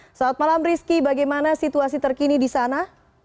selamat malam rizky bagaimana situasi terkini di sana